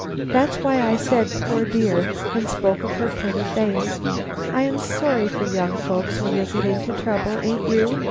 "That's why I said 'Poor dear!' and spoke of her pretty face. I am sorry for young folks when they get into trouble, aint you?